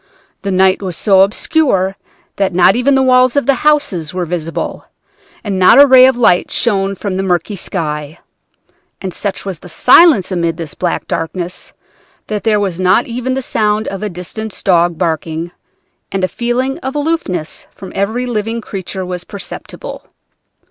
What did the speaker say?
The night was so obscure that not even the walls of the houses were visible, and not a ray of light shone from the murky sky. And such was the silence amid this black darkness, that there was not even the sound of a distant dog barking, and a feeling of aloofness from every living creature was perceptible.